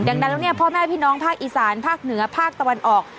ดังนั้นแล้วเนี่ยพ่อแม่พี่น้องภาคอีสานภาคเหนือภาคตะวันออก